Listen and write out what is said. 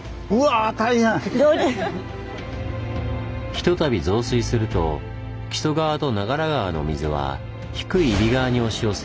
ひとたび増水すると木曽川と長良川の水は低い揖斐川に押し寄せ